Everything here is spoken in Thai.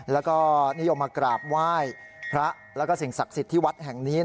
แล้วก็นิยมมากราบไหว้พระแล้วก็สิ่งศักดิ์สิทธิ์ที่วัดแห่งนี้